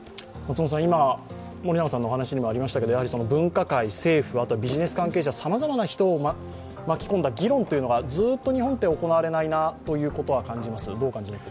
今、森永さんのお話にもありましたけれども、分科会、政府、あとビジネス関係者、さまざまな人を巻き込んだ議論がずっと日本って行われないなということは感じます。